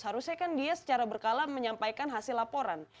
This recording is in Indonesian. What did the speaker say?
harusnya kan dia secara berkala menyampaikan hasil laporan